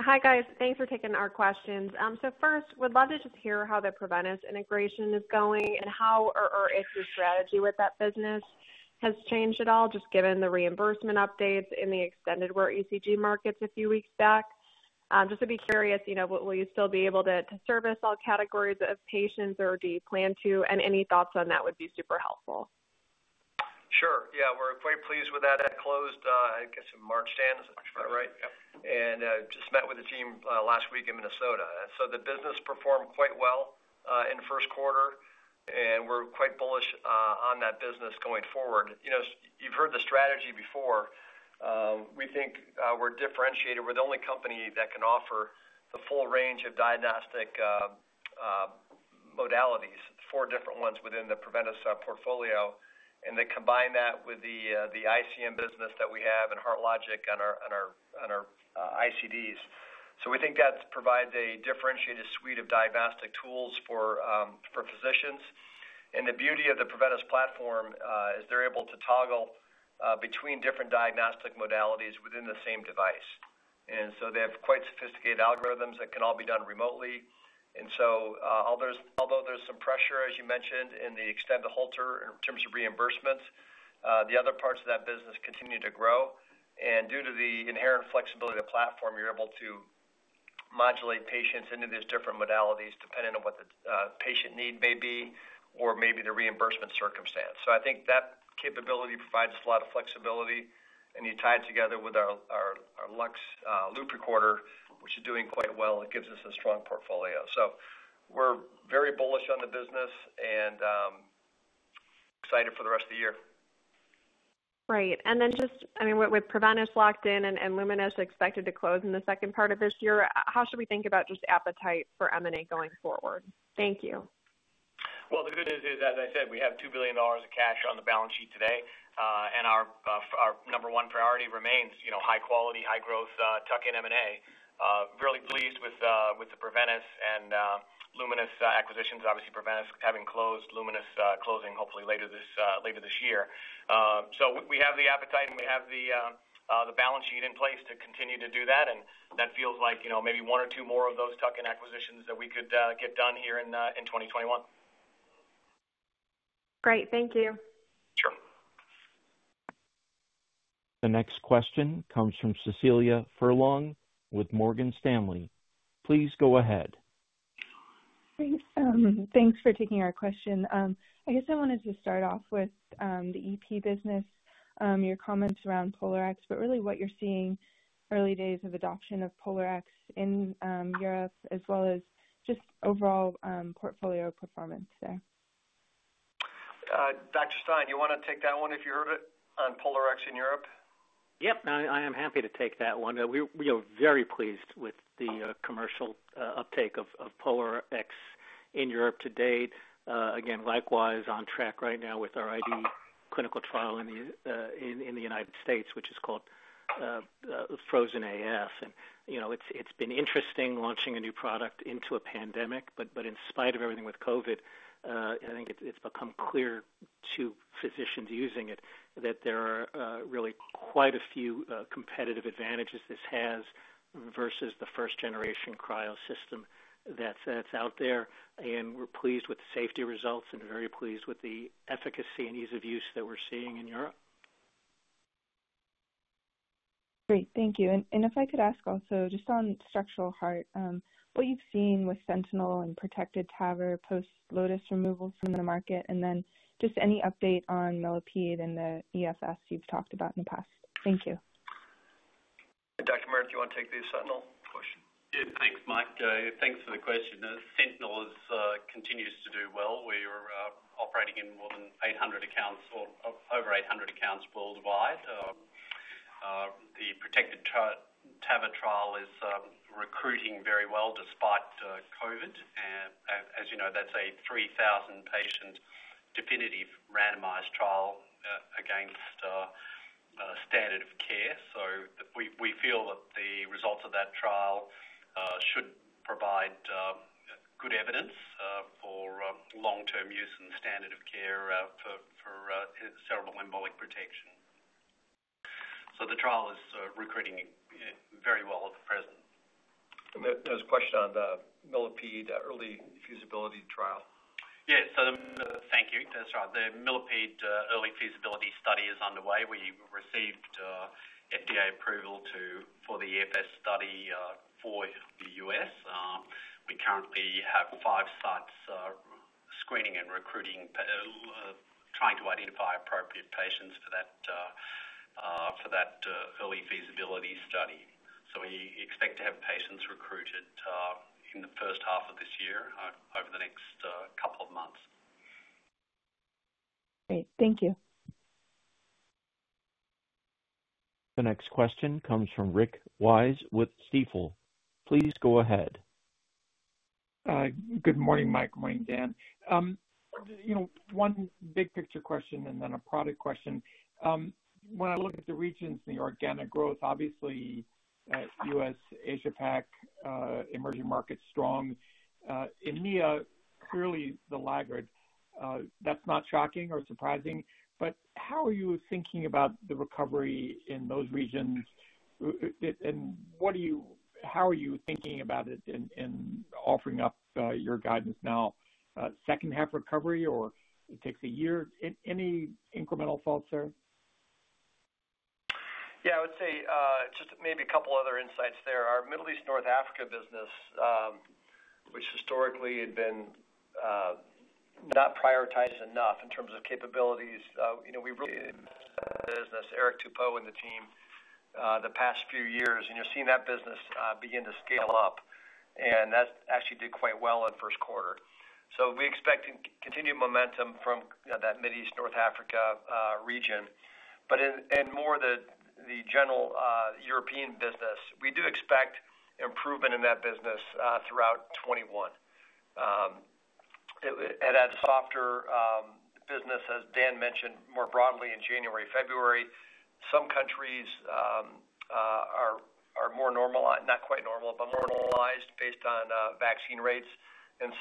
Hi, guys. Thanks for taking our questions. First, would love to just hear how the Preventice integration is going and how or if your strategy with that business has changed at all, just given the reimbursement updates in the extended wear ECG markets a few weeks back. Just would be curious, will you still be able to service all categories of patients, or do you plan to, and any thoughts on that would be super helpful. Yeah, we're quite pleased with that. That closed, I guess, in March 10. Is that right? Yep. Just met with the team last week in Minnesota. The business performed quite well in the first quarter, and we're quite bullish on that business going forward. You've heard the strategy before. We think we're differentiated. We're the only company that can offer the full range of diagnostic modalities, four different ones within the Preventice portfolio, and then combine that with the ICM business that we have and HeartLogic on our ICDs. We think that provides a differentiated suite of diagnostic tools for physicians. The beauty of the Preventice platform is they're able to toggle between different diagnostic modalities within the same device. They have quite sophisticated algorithms that can all be done remotely. Although there's some pressure, as you mentioned, in the extended Holter in terms of reimbursements, the other parts of that business continue to grow. Due to the inherent flexibility of the platform, you're able to modulate patients into these different modalities depending on what the patient need may be or maybe the reimbursement circumstance. I think that capability provides us a lot of flexibility, and you tie it together with our LUX loop recorder, which is doing quite well. It gives us a strong portfolio. We're very bullish on the business and excited for the rest of the year. Right. Then just with Preventice locked in and Lumenis expected to close in the second part of this year, how should we think about just appetite for M&A going forward? Thank you. Well, the good news is, as I said, we have $2 billion of cash on the balance sheet today. Our number one priority remains high quality, high growth, tuck-in M&A. Really pleased with the Preventice and Lumenis acquisitions. Obviously, Preventice having closed, Lumenis closing hopefully later this year. We have the appetite, and we have the balance sheet in place to continue to do that, and that feels like maybe one or two more of those tuck-in acquisitions that we could get done here in 2021. Great. Thank you. Sure. The next question comes from Cecilia Furlong with Morgan Stanley. Please go ahead. Thanks for taking our question. I guess I wanted to start off with the EP business, your comments around POLARx, but really what you're seeing early days of adoption of POLARx in Europe as well as just overall portfolio performance there. Dr. Stein, you want to take that one if you heard it, on POLARx in Europe? Yep, I am happy to take that one. We are very pleased with the commercial uptake of POLARx in Europe to date. Likewise on track right now with our IDE clinical trial in the U.S., which is called FROzEN-AF. It's been interesting launching a new product into a pandemic, but in spite of everything with COVID, I think it's become clear to physicians using it that there are really quite a few competitive advantages this has versus the first generation cryo system that's out there. We're pleased with the safety results and very pleased with the efficacy and ease of use that we're seeing in Europe. Great. Thank you. If I could ask also, just on structural heart, what you've seen with SENTINEL and Protected TAVR post LOTUS removals from the market, and then just any update on Millipede and the EFS you've talked about in the past. Thank you. Dr. Meredith, do you want to take the SENTINEL question? Yeah, thanks, Mike. Thanks for the question. SENTINEL continues to do well. We are operating in more than 800 accounts or over 800 accounts worldwide. Protected TAVR trial is recruiting very well despite COVID. As you know, that's a 3,000 patient definitive randomized trial against standard of care. We feel that the results of that trial should provide good evidence for long-term use and standard of care for cerebral embolic protection. The trial is recruiting very well at present. There was a question on the Millipede early feasibility trial. Yeah. Thank you. That's right. The Millipede early feasibility study is underway. We received FDA approval for the EFS study for the U.S. We currently have five sites screening and recruiting, trying to identify appropriate patients for that early feasibility study. We expect to have patients recruited in the first half of this year over the next couple of months. Great. Thank you. The next question comes from Rick Wise with Stifel. Please go ahead. Good morning, Mike. Morning, Dan. One big picture question and then a product question. When I look at the regions, the organic growth, obviously U.S., Asia Pac, emerging markets strong. EMEA, clearly the laggard. That's not shocking or surprising, but how are you thinking about the recovery in those regions? How are you thinking about it in offering up your guidance now? Second half recovery or it takes a year? Any incremental thoughts there? Yeah, I would say just maybe a couple other insights there. Our Middle East, North Africa business, which historically had been not prioritized enough in terms of capabilities. We really business, Eric Thépaut and the team, the past few years, and you're seeing that business begin to scale up, and that actually did quite well in the first quarter. We expect continued momentum from that Middle East, North Africa region. In more the general European business, we do expect improvement in that business throughout 2021. It had a softer business, as Dan mentioned, more broadly in January, February. Some countries are more normal, not quite normal, but more normalized based on vaccine rates.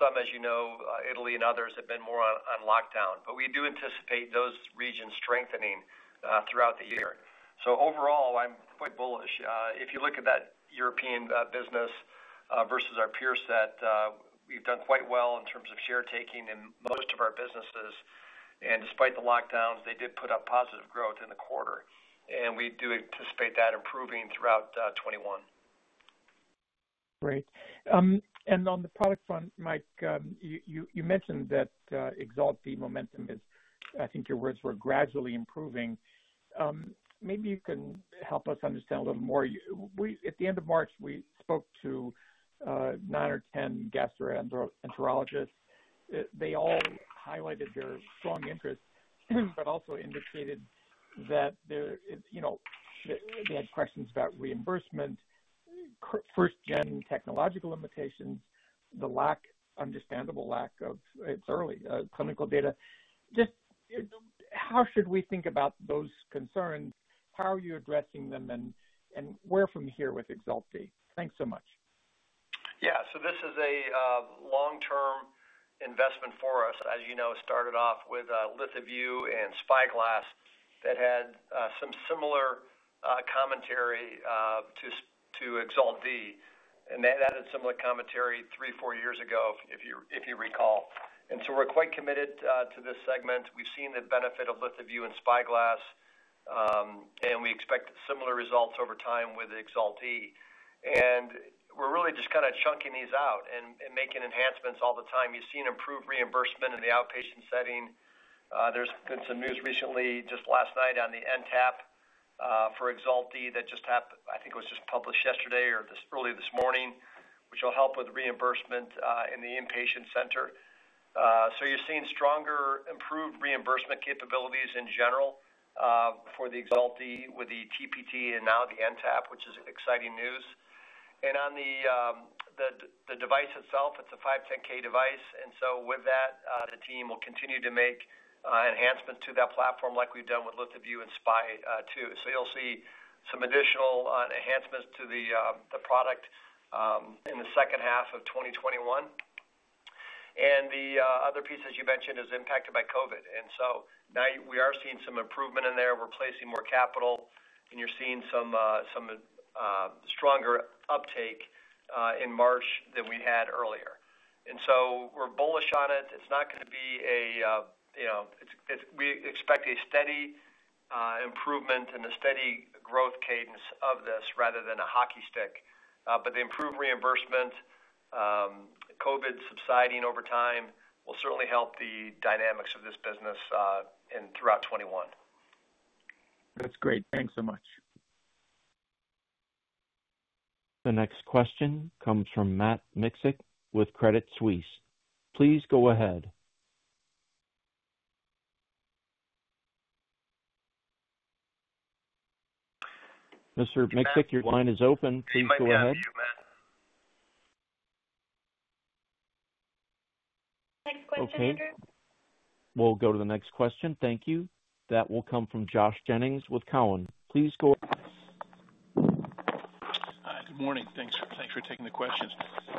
Some, as you know, Italy and others, have been more on lockdown. We do anticipate those regions strengthening throughout the year. Overall, I'm quite bullish. If you look at that European business versus our peer set, we've done quite well in terms of share taking in most of our businesses. Despite the lockdowns, they did put up positive growth in the quarter, and we do anticipate that improving throughout 2021. Great. On the product front, Mike, you mentioned that EXALT momentum is, I think your words were gradually improving. Maybe you can help us understand a little more. At the end of March, we spoke to nine or 10 gastroenterologists. They all highlighted their strong interest, also indicated that they had questions about reimbursement, first-gen technological limitations, the understandable lack of, it's early, clinical data. Just how should we think about those concerns? How are you addressing them, where from here with EXALT? Thanks so much. Yeah. This is a long-term investment for us. As you know, it started off with LithoVue and SpyGlass that had some similar commentary to EXALT D. That had similar commentary three, four years ago, if you recall. We're quite committed to this segment. We've seen the benefit of LithoVue and SpyGlass, and we expect similar results over time with EXALT D. We're really just kind of chunking these out and making enhancements all the time. You've seen improved reimbursement in the outpatient setting. There's been some news recently, just last night on the NTAP for EXALT D that just happened. I think it was just published yesterday or early this morning, which will help with reimbursement in the inpatient center. You're seeing stronger, improved reimbursement capabilities in general for the EXALT D with the TPT and now the NTAP, which is exciting news. On the device itself, it's a 510(k) device. With that, the team will continue to make enhancements to that platform like we've done with LithoVue and SpyGlass. You'll see some additional enhancements to the product in the second half of 2021. The other piece, as you mentioned, is impacted by COVID-19. Now we are seeing some improvement in there. We're placing more capital, and you're seeing some stronger uptake in March than we had earlier. We're bullish on it. We expect a steady improvement and a steady growth cadence of this rather than a hockey stick. The improved reimbursement, COVID-19 subsiding over time will certainly help the dynamics of this business and throughout 2021. That's great. Thanks so much. The next question comes from Matt Miksic with Credit Suisse. Please go ahead. Mr. Miksic, your line is open. Please go ahead. I think you're mute, we have you, Matt. Next question Andrew. Okay, we'll go to the next question. Thank you. That will come from Josh Jennings with Cowen. Please go ahead. Hi. Good morning. Thanks for taking the questions.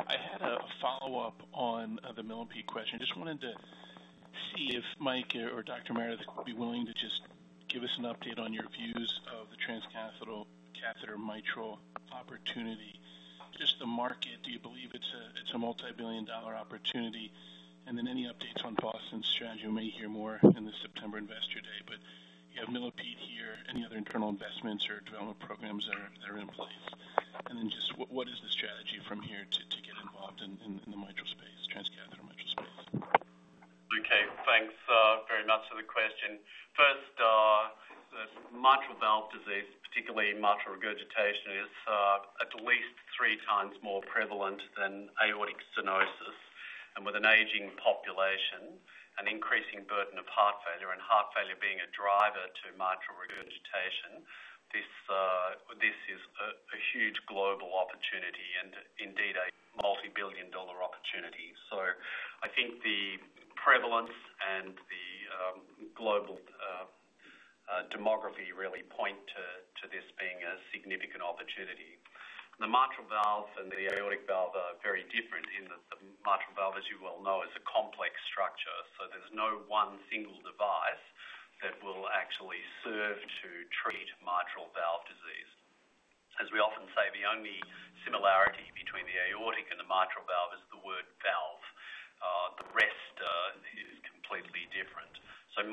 I had a follow-up on the Millipede question. Wanted to see if Mike Mahoney or Dr. Meredith would be willing to give us an update on your views of the transcatheter mitral opportunity, the market. Do you believe it's a multibillion-dollar opportunity? Any updates on Boston Scientific's strategy? We may hear more in the September Investor Day, you have Millipede here. Any other internal investments or development programs that are in place? What is the strategy from here to get involved in the transcatheter mitral space? Okay. Thanks very much for the question. First, mitral valve disease, particularly mitral regurgitation, is at least three times more prevalent than aortic stenosis. With an aging population, an increasing burden of heart failure, and heart failure being a driver to mitral regurgitation, this is a huge global opportunity and indeed a multibillion-dollar opportunity. I think the prevalence and the global demography really point to this being a significant opportunity. The mitral valve and the aortic valve are very different in that the mitral valve, as you well know, is a complex structure. There's no one single device that will actually serve to treat mitral valve disease. As we often say, the only similarity between the aortic and the mitral valve is the word valve.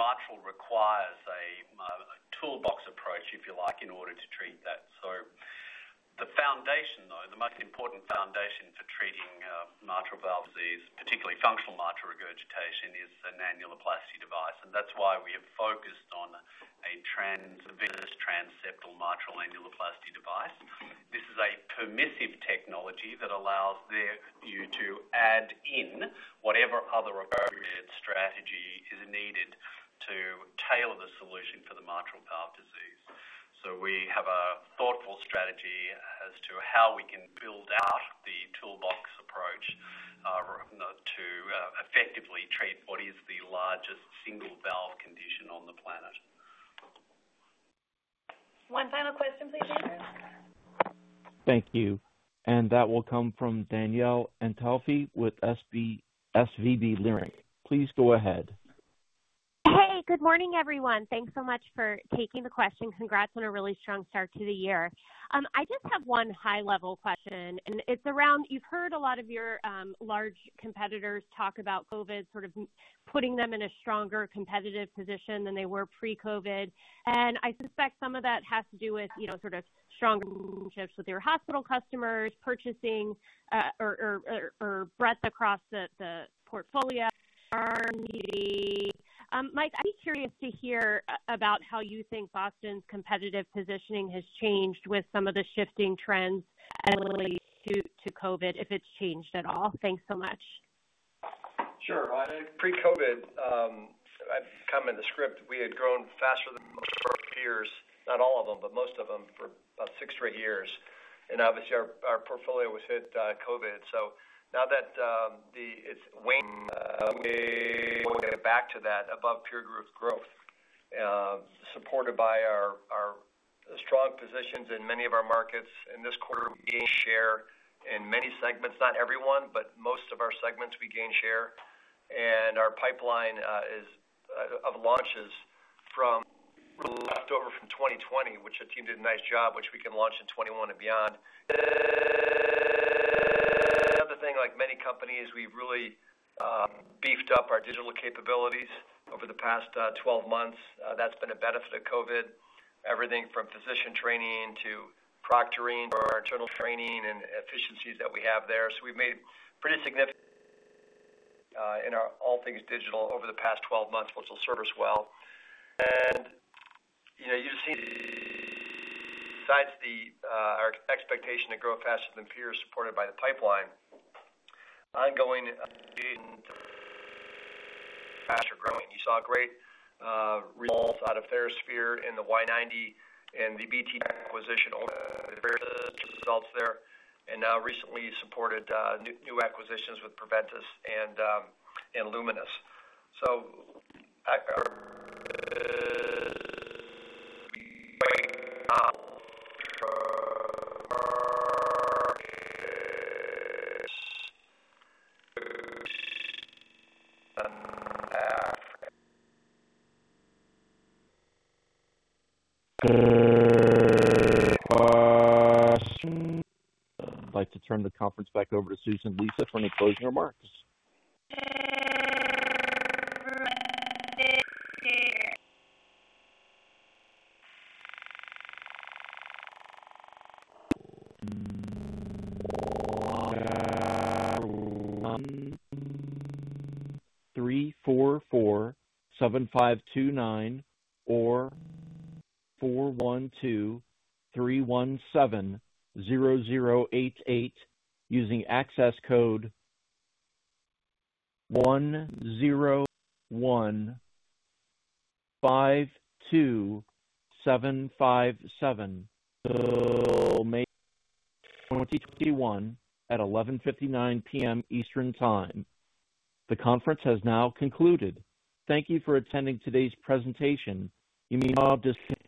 Mitral requires a toolbox approach, if you like, in order to treat that. The foundation, though, the most important foundation for treating mitral valve disease, particularly functional mitral regurgitation, is an annuloplasty device. That's why we have focused on a transvenous transseptal mitral annuloplasty device. This is a permissive technology that allows you to add in whatever other appropriate strategy is needed to tailor the solution for the mitral valve disease. We have a thoughtful strategy as to how we can build out the toolbox approach to effectively treat what is the largest single valve condition on the planet. One final question, please, operator. Thank you. That will come from Danielle Antalffy with SVB Leerink. Please go ahead. Hey, good morning, everyone. Thanks so much for taking the question. Congrats on a really strong start to the year. I just have one high-level question. It's around, you've heard a lot of your large competitors talk about COVID sort of putting them in a stronger competitive position than they were pre-COVID. I suspect some of that has to do with sort of stronger relationships with your hospital customers, purchasing or breadth across the portfolio, R&D. Mike, I'd be curious to hear about how you think Boston's competitive positioning has changed with some of the shifting trends as it relates to COVID, if it's changed at all. Thanks so much. Sure. Pre-COVID, I've come in the script, we had grown faster than most of our peers, not all of them, but most of them for about six straight years. Obviously our portfolio was hit by COVID. Now that it's waning back to that above peer group growth, supported by our strong positions in many of our markets. In this quarter, we gained share in many segments, not every one, but most of our segments we gained share. Our pipeline of launches from leftover from 2020, which our team did a nice job, which we can launch in 2021 and beyond. Another thing, like many companies, we've really beefed up our digital capabilities over the past 12 months. That's been a benefit of COVID. Everything from physician training to proctoring for our internal training and efficiencies that we have there. We've made pretty significant in all things digital over the past 12 months, which will serve us well. You see besides our expectation to grow faster than peers supported by the pipeline, ongoing faster growing. You saw great results out of TheraSphere and the Y-90 and the BTG acquisition results there, and now recently supported new acquisitions with Preventice and Lumenis. I'd like to turn the conference back over to Susan Lisa for any closing remarks. 344-7529 or 412-317-0088 using access code 10152757 at 11:59 P.M. Eastern Time. The conference has now concluded. Thank you for attending today's presentation. You may now disconnect.